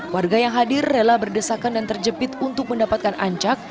warga yang hadir rela berdesakan dan terjepit untuk mendapatkan ancak